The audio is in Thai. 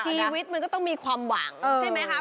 ชีวิตมันก็ต้องมีความหวังใช่ไหมคะ